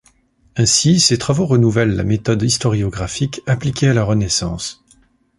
Ainsi, ses travaux renouvellent la méthode historiographique appliquée à la Renaissance.